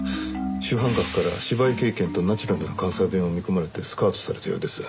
主犯格から芝居経験とナチュラルな関西弁を見込まれてスカウトされたようです。